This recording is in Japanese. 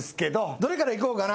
どれからいこうかな。